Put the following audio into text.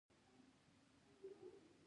د شاته پاتې خلکو سره د زړه له کومې مرسته وکړئ.